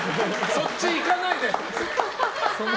そっち行かないで！